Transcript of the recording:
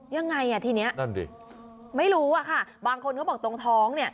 ยังไงทีนี้ไม่รู้ค่ะบางคนเขาบอกตรงท้อง